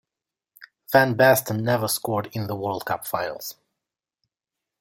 Van Basten never scored in the World Cup Finals.